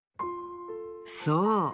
そう！